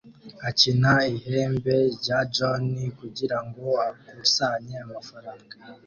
akina ihembe rya john kugirango akusanye amafaranga